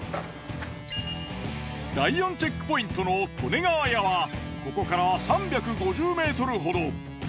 第４チェックポイントの利根川屋はここから３５０ｍほど。